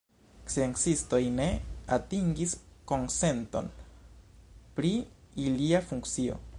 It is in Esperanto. Sciencistoj ne atingis konsenton pri ilia funkcio.